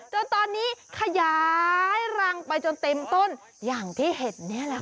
จนตอนนี้ขยายรังไปจนเต็มต้นอย่างที่เห็นนี่แหละค่ะ